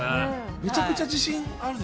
めちゃくちゃ自信あり？